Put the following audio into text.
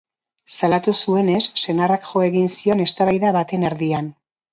Salatu zuenez, senarrak jo egin zion eztabaida baten erdian.